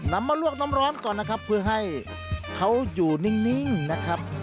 นำมาลวกน้ำร้อนก่อนนะครับเพื่อให้เขาอยู่นิ่งนะครับ